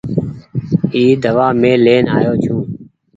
اي دوآ مين لين آيو ڇون ۔